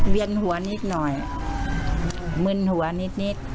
เวียนหัวนิดหน่อยมึนหัวนิดนิด